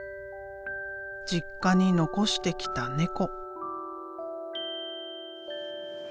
実家に残してきた猫。